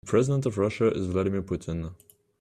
The president of Russia is Vladimir Putin.